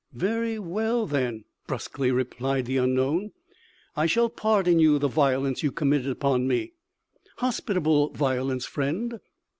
"Very well, then," brusquely replied the unknown, "I shall pardon you the violence you committed upon me." "Hospitable violence, friend."